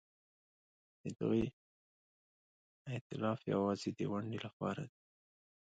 د دوی ائتلاف یوازې د ونډې لپاره دی.